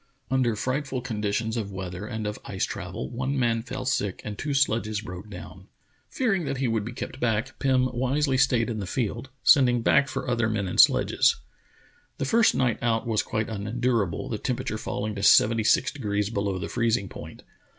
Under frightful conditions of weather and of ice travel one man fell sick and two sledges broke down. Fearing that he would be kept back, Pim wisely stayed in the field, sending back for other men and sledges. The first night out was quite unendurable, the temperature falling to seventy six degrees below the freezing point.